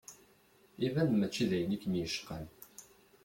Iban mačči d ayen i kem-yecqan.